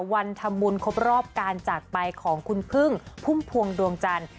วันทำบุญครบรอบการจากไปของคุณพึ่งพุ่มพวงดวงจันทร์